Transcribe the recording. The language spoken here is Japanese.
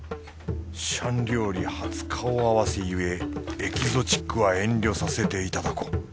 シャン料理初顔合わせゆえエキゾチックは遠慮させていただこう。